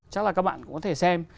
chắc là các bạn cũng có thể xem